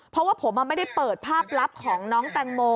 เพราะว่าผมไม่ได้เปิดภาพลับของน้องแตงโม